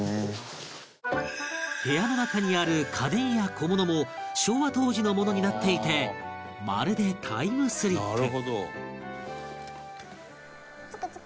部屋の中にある家電や小物も昭和当時のものになっていてまるでタイムスリップ